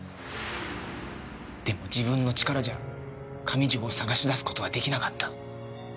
でも自分の力じゃ上条を捜し出す事は出来なかった。